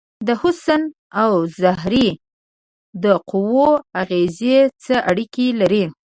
د حسن او زهرې د قوو اغیزې څه اړیکې لري؟